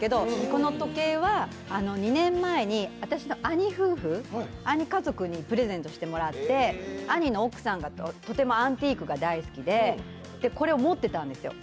この時計は２年前に私の兄家族にプレゼントしてもらって、兄の奥さんがとてもアンティークが大好きでこれを持っていたんですよ。